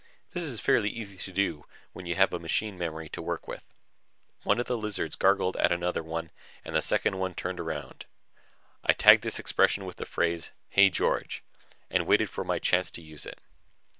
This is fairly easy to do when you have a machine memory to work with. One of the lizards gargled at another one and the second one turned around. I tagged this expression with the phrase, "Hey, George!" and waited my chance to use it.